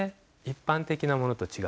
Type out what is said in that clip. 一般的なものと違う。